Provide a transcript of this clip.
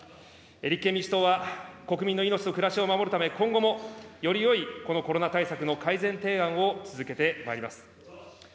立憲民主党は、国民の命と暮らしを守るため、今後もよりよいこのコロナ対策の改善提案を続けてまいります。